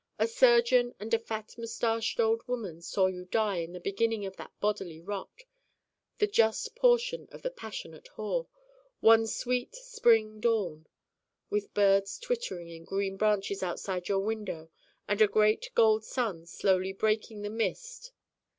A surgeon and a fat mustached old woman saw you die in the beginning of that bodily rot the just portion of the passionate whore one sweet Spring dawn, with birds twittering in green branches outside your window and a great gold sun slowly breaking the mist.